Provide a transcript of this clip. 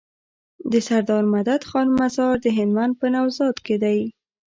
دسردار مدد خان مزار د هلمند په نوزاد کی دی